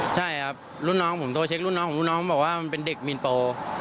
ใช่ครับรุ่นน้องผมโทรเช็ครุ่นน้องของรุ่นน้องบอกว่ามันเป็นเด็กมีนโปร